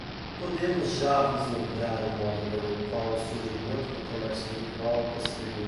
Podemos já vislumbrar o modo pelo qual o surgimento do comércio virtual possibilita